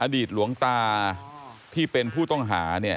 อดีตหลวงตาที่เป็นผู้ต้องหา